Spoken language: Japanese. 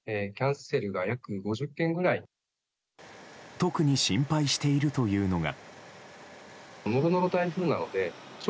特に心配しているというのが。